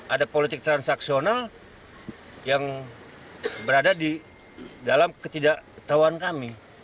ada politik transaksional yang berada di dalam ketidaktahuan kami